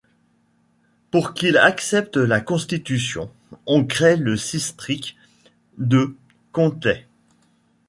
Pour qu'il accepte la constitution, on crée le cistrict de Conthey.